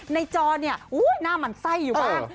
จอเนี่ยหน้าหมั่นไส้อยู่บ้าง